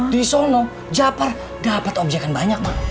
di sono jafar dapet objekan banyak mak